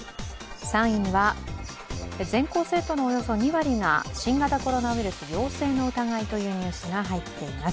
３位には、全校生徒のおよそ２割が新型コロナウイルス陽性の疑いというニュースが入っています。